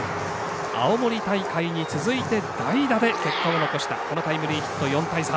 青森大会に続いて代打で結果を残したタイムリーヒット、４対３。